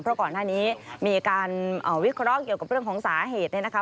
เพราะก่อนหน้านี้มีการวิเคราะห์เกี่ยวกับเรื่องของสาเหตุเนี่ยนะคะ